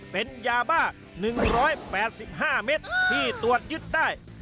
เป็นยาบ้า๑๘๕เมตรที่ตรวจยึดได้